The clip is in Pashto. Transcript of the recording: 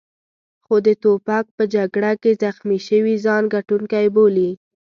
خو د توپک په جګړه کې زخمي شوي ځان ګټونکی بولي.